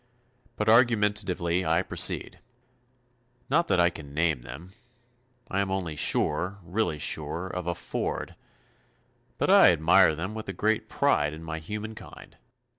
But argumentatively I proceed. Not that I can name them. I am only sure, really sure, of a Ford. But I admire them with a great pride in my human kind.